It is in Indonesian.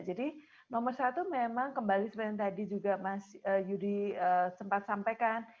jadi nomor satu memang kembali seperti tadi juga mas yudi sempat sampaikan